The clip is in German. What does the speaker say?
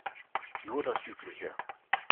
Nur das Übliche.